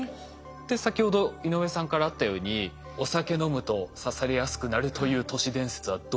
先ほど井上さんからあったようにお酒飲むと刺されやすくなるという都市伝説はどうなんでしょうか？